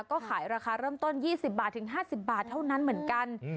ก็ขายราคาเริ่มต้น๒๐บาทถึง๕๐บาทเท่านั้นเหมือนกัน